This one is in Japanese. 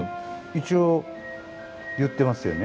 一応言ってますよね。